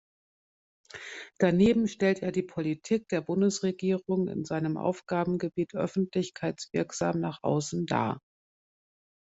Daneben stellt er die Politik der Bundesregierung in seinem Aufgabengebiet öffentlichkeitswirksam nach außen dar.